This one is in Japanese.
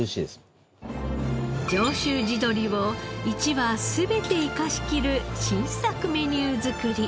上州地鶏を１羽全て活かしきる新作メニュー作り。